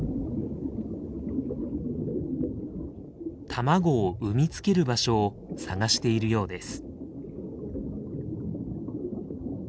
卵を産みつける場所を探しているようです。